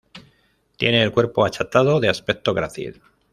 Tiene el cuerpo achatado, de aspecto grácil.